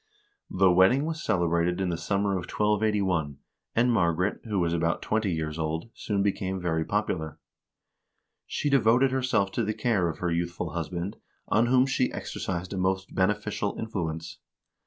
The wedding was celebrated in the summer of 1281, and Margaret, who was about twenty years old, soon became very popular. She devoted herself to the care of her youthful husband, on whom she exercised a most beneficial influence.